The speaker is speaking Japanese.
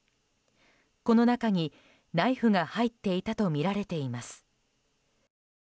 この中にナイフが入っていたとみられています。